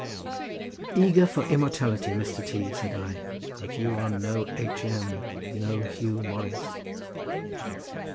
... "Eager for immortality, Mr. T.," said I; "but you are no H. M., no Huw Morris."